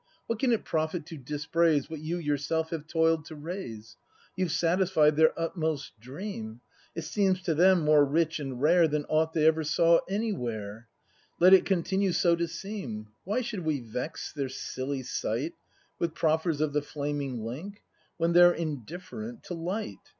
What can it profit to dispraise What you yourself have toil'd to raise ? You've satisfied their utmost dream; It seems to them more rich and rare Than aught they e'er saw anywhere:— Let it continue so to seem! Why should we vex their silly sight With proffers of the flaming link. When they're indifferent to light?